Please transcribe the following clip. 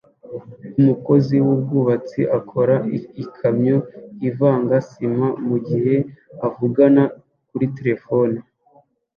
Umukozi wubwubatsi akora ikamyo ivanga sima mugihe avugana kuri terefone